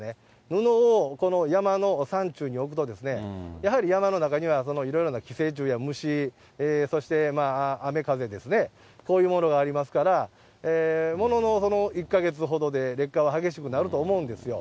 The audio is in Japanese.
布をこの山の山中に置くと、やはり山の中にはいろいろな寄生虫や虫、そして雨、風ですね、そういうものがありますから、ものの１か月ほどで劣化は激しくなると思うんですよ。